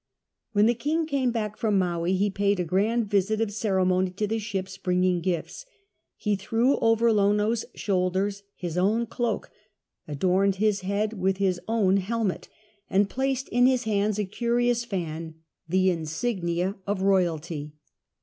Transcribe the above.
When the king came lack from Maui he }»aid a grind visit of ceremony to the ships, bringing gifts. He threw over Lono's shoulders his own cloak, ado]*ned his head with his own helmet, and placed in his hands a curious fan — the insignia of royalty.